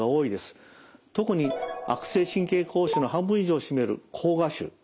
特に悪性神経膠腫の半分以上を占める膠芽腫。